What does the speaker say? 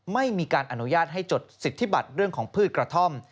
ไม่มีการอนุญาตให้จดสิทธิบัตรเรื่องของพืชกระท่อม